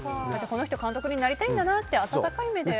この人監督になりたいんだなと温かい目で。